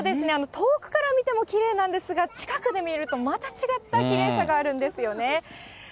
遠くから見てもきれいなんですが、近くで見るとまた違ったきれいさがあるんですよね。